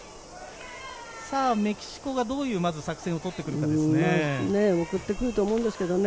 メキシコがどういう作戦を取ってくるかですよね。